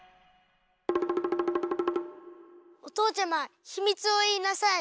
おとうちゃまひみつをいいなさい。